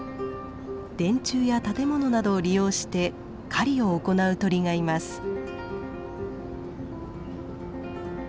電柱や建物などを利用して狩りを行う鳥がいます。